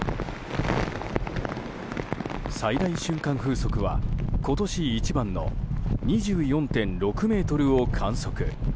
最大瞬間風速は今年一番の２４．６メートルを観測。